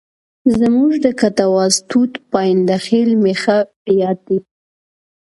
زموږ د کټواز ټوټ پاینده خېل مې ښه په یاد دی.